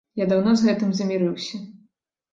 Я даўно з гэтым замірыўся.